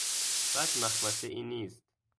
بد مخمصهای نیست!